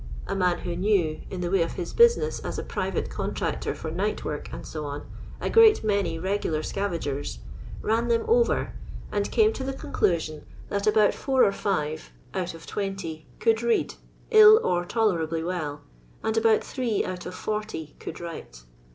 A man who knew, in the way of his business as a private contractor for night work, &c., a great many regular scavagers, " ran them over," and came to the conclusion that about four or five out of twenty could read, ill or tolerably well, and about three out of forty could write.